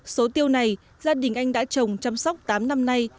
số tiêu này gia đình anh đã trồng chăm sóc tám năm nay